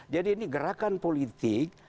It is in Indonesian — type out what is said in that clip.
jadi ini gerakan politik